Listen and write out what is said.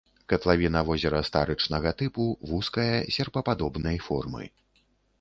Катлавіна возера старычнага тыпу, вузкая, серпападобнай формы.